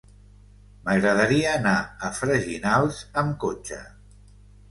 M'agradaria anar a Freginals amb cotxe.